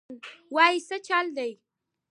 وايه سه چل دې.